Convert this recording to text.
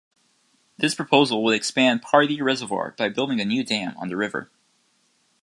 This proposal would expand Pardee Reservoir by building a new dam on the river.